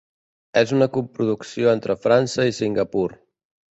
És una coproducció entre França i Singapur.